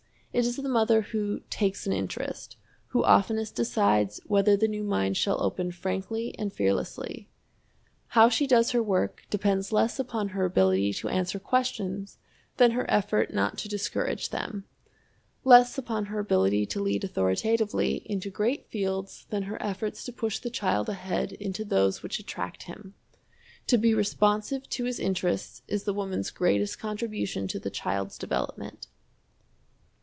It is the mother who "takes an interest," who oftenest decides whether the new mind shall open frankly and fearlessly. How she does her work, depends less upon her ability to answer questions than her effort not to discourage them; less upon her ability to lead authoritatively into great fields than her efforts to push the child ahead into those which attract him. To be responsive to his interests is the woman's greatest contribution to the child's development.